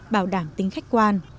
bảo đảm tính khách quan